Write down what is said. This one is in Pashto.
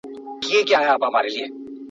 زه د پاکو اوبو په څښلو بوخت یم.